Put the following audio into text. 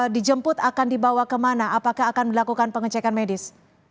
dijemput akan dibawa kemana apakah akan dilakukan pengecekan medis